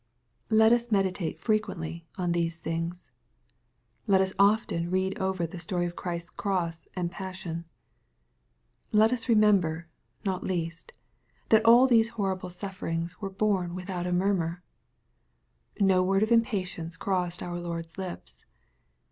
Let us meditate frequently on these things. Let us often read over the story of Christ's cross and passion. Let us remember, not least, that all these horrible suffsrings MATTHEW, CHAP. XXVII. 891 vfere bomo wifchout a munnur. No word of impatience crossed our Lord's lips.